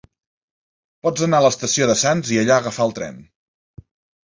Pots anar a l'estació de Sants i allà agafar el tren.